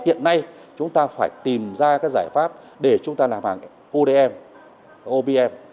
hiện nay chúng ta phải tìm ra cái giải pháp để chúng ta làm hàng odm